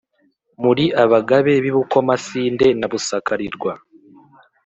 muri abagabe b’i bukomasinde na busakarirwa: